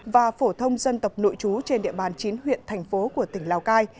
và phổ thông dân tộc nội chú trên địa bàn chín huyện thành phố của tỉnh lào cai